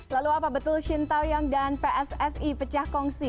lalu apa betul shin taoyong dan pssi pecah kongsi